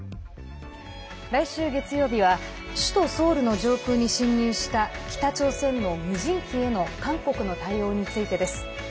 来週月曜日は首都ソウルの上空に侵入した北朝鮮の無人機への韓国の対応についてです。